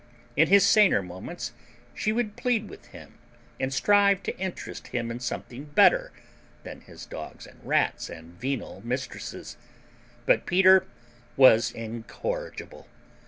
In his saner moments she would plead with him and strive to interest him in something better than his dogs and rats and venal mistresses; but Peter was incorrigible.